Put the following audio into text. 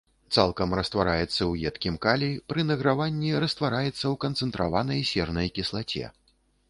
Цалкам раствараецца ў едкім калі, пры награванні раствараецца ў канцэнтраванай сернай кіслаце.